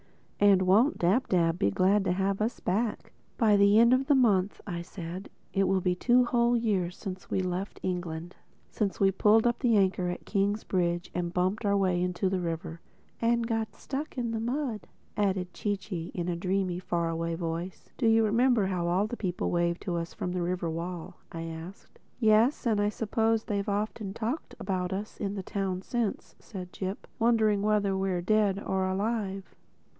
And won't Dab Dab be glad to have us back!" "By the end of next month," said I, "it will be two whole years since we left England—since we pulled up the anchor at Kingsbridge and bumped our way out into the river." "And got stuck on the mud bank," added Chee Chee in a dreamy, far away voice. "Do you remember how all the people waved to us from the river wall?" I asked. "Yes. And I suppose they've often talked about us in the town since," said Jip—"wondering whether we're dead or alive."